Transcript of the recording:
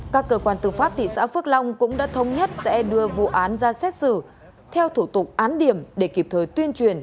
các cơ quan tư pháp thị xã phước long cũng đã thống nhất sẽ đưa vụ án ra xét xử theo thủ tục án điểm để kịp thời tuyên truyền